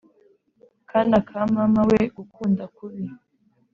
Kana ka mama we gukunda kubi